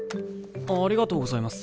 ありがとうございます。